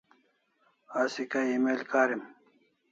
Asi kai email karim